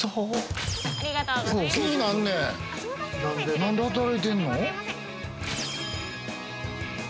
なんで働いてんの？